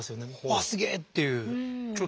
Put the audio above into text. わあすげえっていう。